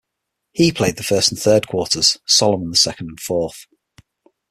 He played the first and third quarters, Solomon the second and fourth.